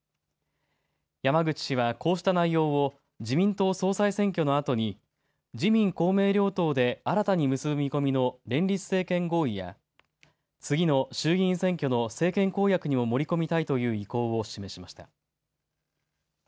山口氏はこうした内容を自民党総裁選挙のあとに自民・公明両党で新たに結ぶ見込みの連立政権合意や次の衆議院選挙の政権公約にも盛り込みたいという意向を示しました。